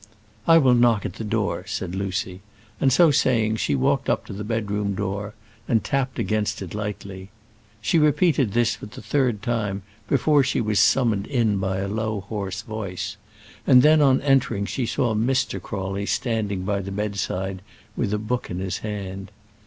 "I will knock at the door," said Lucy, and so saying she walked up to the bedroom door, and tapped against it lightly. She repeated this for the third time before she was summoned in by a low hoarse voice, and then on entering she saw Mr. Crawley standing by the bedside with a book in his hand.